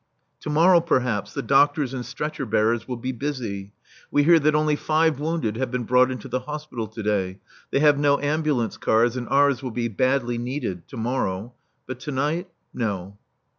To morrow, perhaps, the doctors and stretcher bearers will be busy. We hear that only five wounded have been brought into the hospital to day. They have no ambulance cars, and ours will be badly needed to morrow. But to night, no.